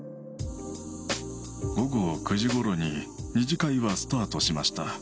午後９時ごろに２次会がスタートしました。